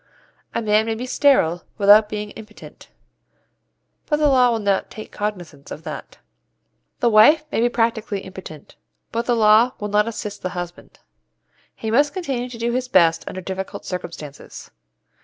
A man may be sterile without being impotent, but the law will not take cognizance of that. The wife may be practically impotent, but the law will not assist the husband. He must continue to do his best under difficult circumstances.